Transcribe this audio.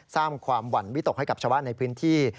สร้างความหวั่นวิตกให้กับชาวบ้านในพื้นที่